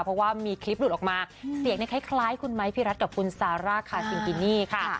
เพราะว่ามีคลิปหลุดออกมาเสียงไคคล้ายคุณไม้พิรัฐกับคุณซาร่าค่ะ